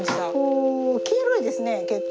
お黄色いですね結構。